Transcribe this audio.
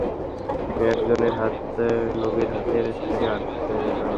একজনের হাত নবীর হাতের সাথে আটকে গেল।